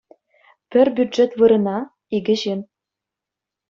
Пӗр бюджет вырӑна — икӗ ҫын